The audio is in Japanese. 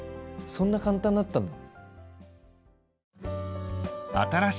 そんな簡単だったんだ。